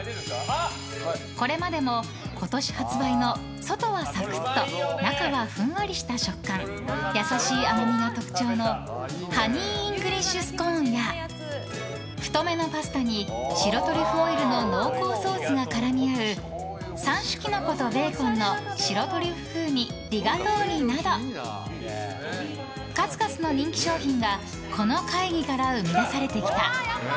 これまでも、今年発売の外はサクッと中はふんわりした食感優しい甘みが特徴のハニーイングリッシュスコーンや太めのパスタに白トリュフオイルの濃厚ソースが絡み合う３種きのことベーコンの白トリュフ風味リガトーニなど数々の人気商品がこの会議から生み出されてきた。